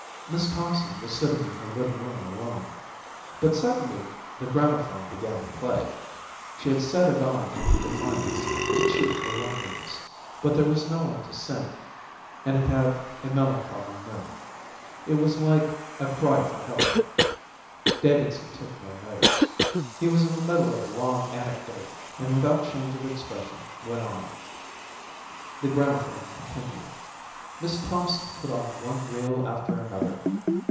Miss Thompson was sitting in her little room alone. But suddenly the gramophone began to play. She had set it on in defiance, to cheat her loneliness, but there was no one to sing, and it had a melancholy note. It was like a cry for help. Davidson took no notice. He was in the middle of a long anecdote and without change of expression went on. The gramophone continued. Miss Thompson put on one reel after another.